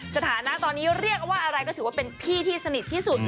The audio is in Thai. สถานะตอนนี้เรียกว่าอะไรก็ถือว่าเป็นพี่ที่สนิทที่สุด